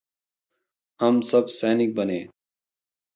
हम सब सैनिक बने।